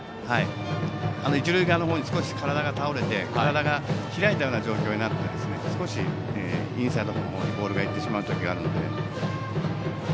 一塁側のほうに少し体が倒れて体が開いたような状況になって少しインサイドの方にボールが行ってしまう時があるので。